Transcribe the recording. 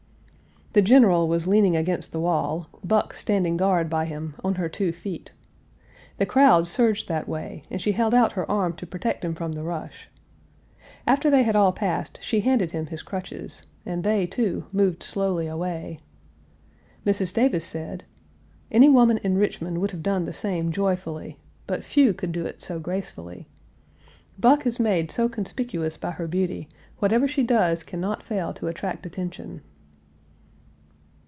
The General was leaning against the wall, Buck standing guard by him "on her two feet." The crowd surged that way, and she held out her arm to protect him from the rush. After they had all passed she handed him his crutches, and they, too, moved slowly away. Mrs. Davis said: "Any woman in Richmond would have done the same joyfully, but few could do it so gracefully. Buck is made so conspicuous by her beauty, whatever she does can not fail to attract attention."